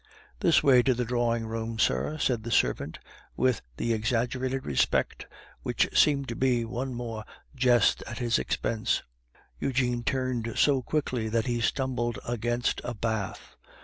"This way to the drawing room, sir," said the servant, with the exaggerated respect which seemed to be one more jest at his expense. Eugene turned so quickly that he stumbled against a bath.